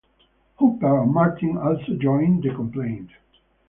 Hooper and Martin also joined the complaint.